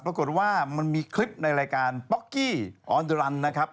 ปรากฏว่ามันมีคลิปในรายการป๊อกกี้ออนเดอรันนะครับ